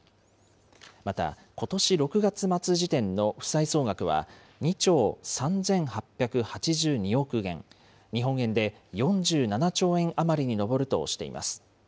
また、ことし６月末時点の負債総額は２兆３８８２億元、日本円で４７兆円余りに上るとしています。